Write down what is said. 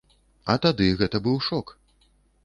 А тады гэта быў шок.